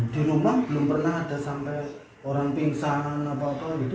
di rumah belum pernah ada sampai orang pingsan apa apa gitu